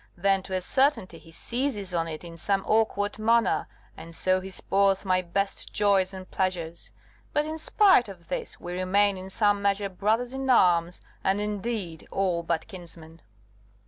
then, to a certainty, he seizes on it in some awkward manner, and so he spoils my best joys and pleasures. But, in spite of this, we remain in some measure brothers in arms, and, indeed, all but kinsmen."